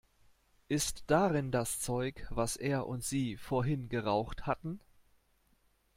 Ist darin das Zeug, was er und sie vorhin geraucht hatten?